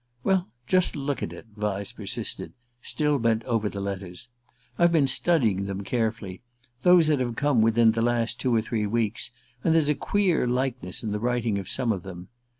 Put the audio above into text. "Well, just look at it," Vyse persisted, still bent above the letters. "I've been studying them carefully those that have come within the last two or three weeks and there's a queer likeness in the writing of some of them.